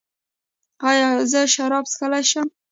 ایا زه شراب څښلی شم؟